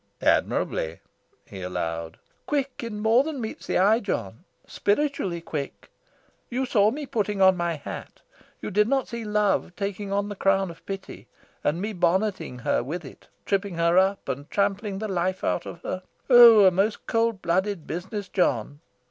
"Admirably," he allowed. "Quick in more than meets the eye, John. Spiritually quick. You saw me putting on my hat; you did not see love taking on the crown of pity, and me bonneting her with it, tripping her up and trampling the life out of her. Oh, a most cold blooded business, John!